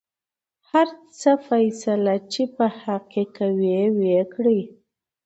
هر څه فيصله يې چې په حق کې کوۍ وېې کړۍ.